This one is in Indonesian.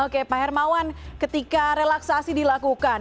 oke pak hermawan ketika relaksasi dilakukan